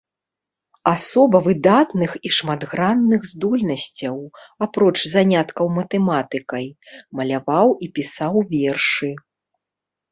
Асоба выдатных і шматгранных здольнасцяў, апроч заняткаў матэматыкай, маляваў і пісаў вершы.